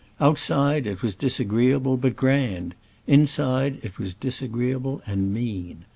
Outside, it was disagreeable, but grand — inside, it was disagreeable and mean.